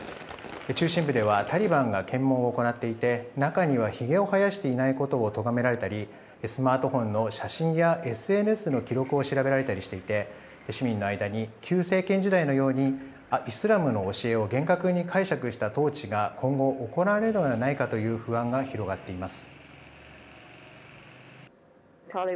中心部ではタリバンが検問を行っていて中にはひげを生やしていないことをとがめられたりスマートフォンの写真やＳＮＳの記録を調べられたりしていて市民の間に旧政権時代のようにイスラムの教えを厳格に体現した統治が今後行われるのではないかという不安が広がっています。